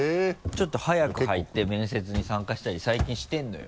ちょっと早く入って面接に参加したり最近してるのよ。